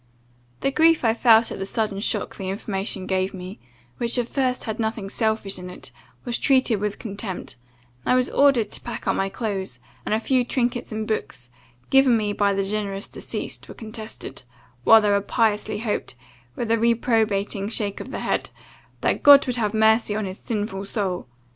"The grief I felt at the sudden shock the information gave me, which at first had nothing selfish in it, was treated with contempt, and I was ordered to pack up my clothes; and a few trinkets and books, given me by the generous deceased, were contested, while they piously hoped, with a reprobating shake of the head, 'that God would have mercy on his sinful soul!